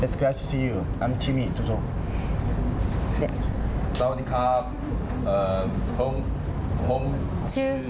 มีแถมด้วยนะคะรัดนาจุ๊บจุ๊บน่ารักจริง